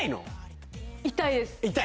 痛いです